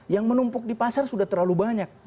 yang menumpuk di pasar sudah terlalu banyak